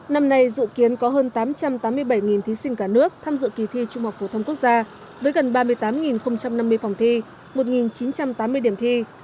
năm nay dự kiến có hơn tám trăm tám mươi bảy thí sinh cả nước tham dự kỳ thi trung học phổ thông quốc gia với gần ba mươi tám năm mươi phòng thi một chín trăm tám mươi điểm thi